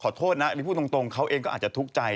โทษนะหรือพูดตรงเขาเองก็อาจจะทุกข์ใจ